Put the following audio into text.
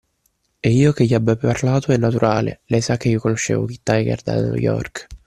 E che io gli abbia parlato è naturale, Lei sa che io conoscevo Kid Tiger da New York.